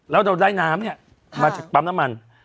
แล้วเราได้น้ำเนี่ยมาจากปั๊มน้ำมัน